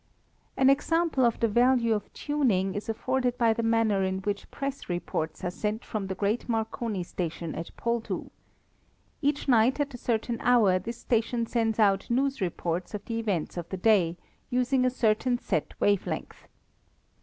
] An example of the value of tuning is afforded by the manner in which press reports are sent from the great Marconi station at Poldhu. Each night at a certain hour this station sends out news reports of the events of the day, using a certain set wave length.